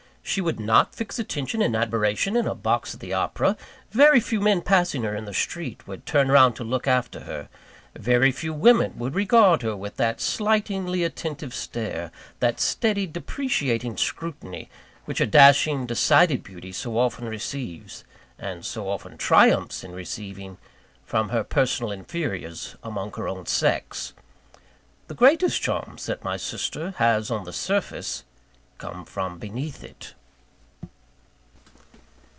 She would not fix attention and admiration in a box at the opera; very few men passing her in the street would turn round to look after her; very few women would regard her with that slightingly attentive stare, that steady depreciating scrutiny, which a dashing decided beauty so often receives (and so often triumphs in receiving) from her personal inferiors among her own sex. The greatest charms that my sister has on the surface, come from beneath it.